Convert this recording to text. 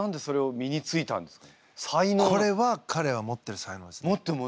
これはかれが持ってる才能ですね。